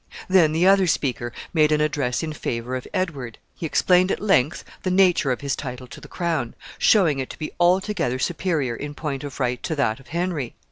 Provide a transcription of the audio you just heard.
Then the other speaker made an address in favor of Edward. He explained at length the nature of his title to the crown, showing it to be altogether superior in point of right to that of Henry.